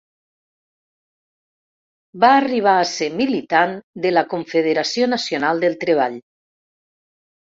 Va arribar a ser militant de la Confederació Nacional del Treball.